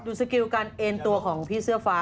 สกิลการเอ็นตัวของพี่เสื้อฟ้า